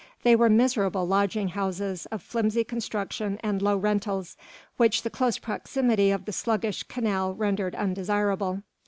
They were miserable lodging houses of flimsy construction and low rentals, which the close proximity of the sluggish canal rendered undesirable.